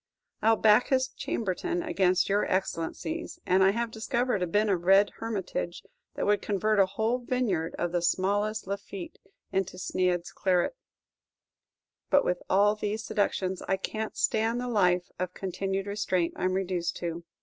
I'll back his chambertin against your Excellency's, and I have discovered a bin of red hermitage that would convert a whole vineyard of the smallest Lafitte into Sneyd's claret; but with all these seductions, I can't stand the life of continued restraint I 'm reduced to.